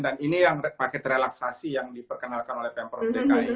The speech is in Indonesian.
dan ini yang paket relaksasi yang diperkenalkan oleh pemprov dki